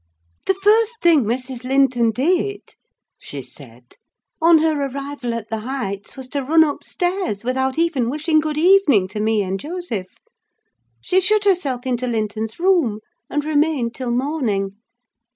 "The first thing Mrs. Linton did," she said, "on her arrival at the Heights, was to run upstairs, without even wishing good evening to me and Joseph; she shut herself into Linton's room, and remained till morning.